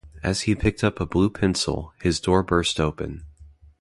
As he picked up a blue pencil, his door burst open.